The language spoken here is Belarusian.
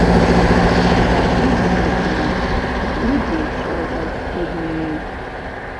Заходняе дно глыбейшае за усходняе.